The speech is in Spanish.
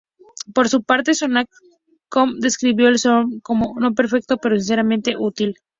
Por su parte Softonic.com describió el software como "no perfecto, pero sinceramente útil".